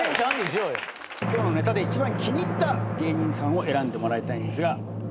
今日のネタで一番気に入った芸人さんを選んでもらいたいんですが。